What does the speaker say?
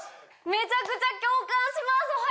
めちゃくちゃ共感します！